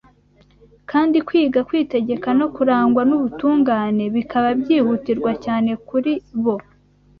kandi kwiga kwitegeka no kurangwa n’ubutungane bikaba byihutirwa cyane kuri bo